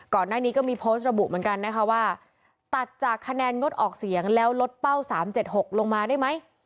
ก่อนหน้านี้ก็มีโพสต์ระบุเหมือนกันนะคะว่าตัดจากคะแนนงดออกเสียงแล้วลดเป้า๓๗๖ลงมาได้ไหม